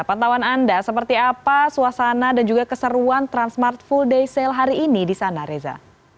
pantauan anda seperti apa suasana dan juga keseruan transmart full day sale hari ini di sana reza